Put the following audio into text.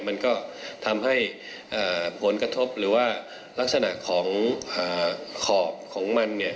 มันก็ทำให้ผลกระทบหรือว่าลักษณะของขอบของมันเนี่ย